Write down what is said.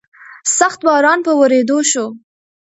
سخت باران په ورېدو شو.